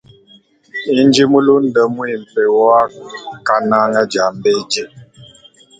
Ndine mulunda mwimpe wakananga dia mbedi.